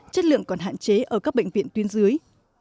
chất lượng còn hạn chế ở các bệnh viện tuyến dưới